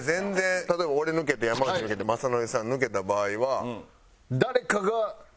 例えば俺抜けて山内抜けて雅紀さん抜けた場合は。